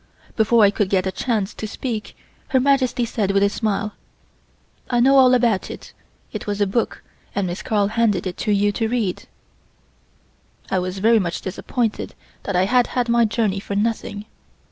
Before I could get a chance to speak, Her Majesty said with a smile: "I know all about it, it was a book and Miss Carl handed it to you to read." I was very much disappointed that I had had my journey for nothing.